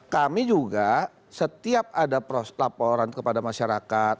kami juga setiap ada laporan kepada masyarakat